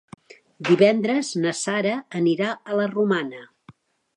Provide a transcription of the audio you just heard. Divendres na Sara anirà a la Romana.